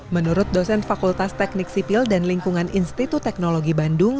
menurut dosen fakultas teknik sipil dan lingkungan institut teknologi bandung